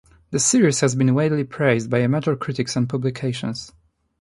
The series has been widely praised by major critics and publications.